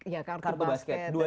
ya kartu basket